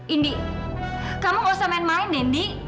indi kamu gak usah main main deh indi